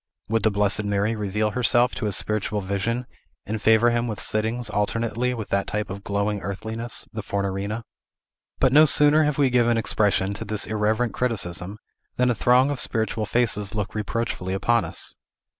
Would the Blessed Mary reveal herself to his spiritual vision, and favor him with sittings alternately with that type of glowing earthliness, the Fornarina? But no sooner have we given expression to this irreverent criticism, than a throng of spiritual faces look reproachfully upon us.